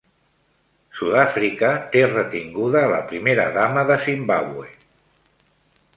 Sud-àfrica té retinguda a la primera dama de Zimbàbue